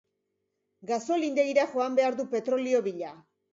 Gasolindegira joan behar du petrolio bila.